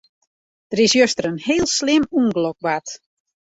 Der is juster in heel slim ûngelok bard.